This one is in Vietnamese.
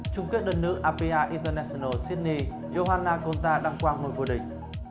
trung kết đơn nữ api international sydney johanna conta đăng quang ngôi vua địch